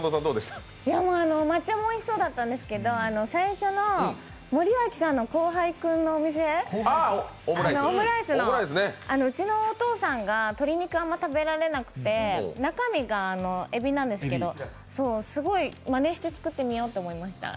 抹茶もおいしそうだったんですけど、最初の森脇さんの後輩君のお店、オムライスの、うちのお父さんが鶏肉あんまり食べられなくて中身がえびなんですけど、すごい、まねして作ってみようと思いました。